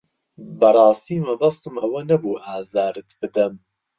بەڕاستی مەبەستم ئەوە نەبوو ئازارت بدەم.